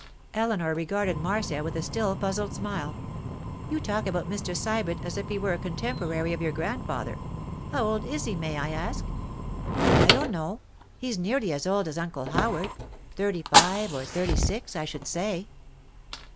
Eleanor regarded Marcia with a still puzzled smile. 'You talk about Mr. Sybert as if he were a contemporary of your grandfather. How old is he, may I ask?' 'I don't know. He's nearly as old as Uncle Howard. Thirty five or thirty six, I should say.